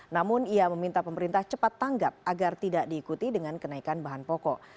namun ia meminta pemerintah cepat tanggap agar tidak diikuti dengan kenaikan bahan pokok